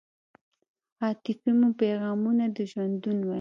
عاطفې مو پیغامونه د ژوندون وای